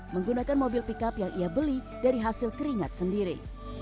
menggunakan mobil pickup yang ia beli dari hasil keringat sendiri